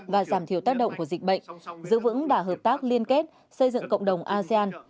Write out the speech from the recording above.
và giảm thiểu tác động của dịch bệnh giữ vững đả hợp tác liên kết xây dựng cộng đồng asean